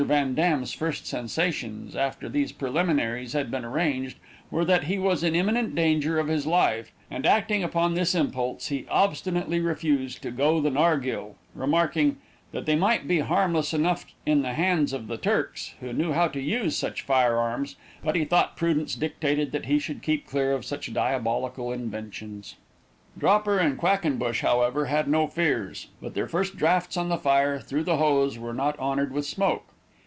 Van Dam's first sensations, after these preliminaries had been arranged, were that he was in imminent danger of his life, and acting upon this impulse, he obstinately refused to go the nargillê, remarking, that they might be harmless enough in the hands of the Turks, who knew how to use such fire arms, but he thought prudence dictated that he should keep clear of such diabolical inventions. Dropper and Quackenbush, however, had no fears, but their drafts on the fire, through the hose, were not honored with smoke.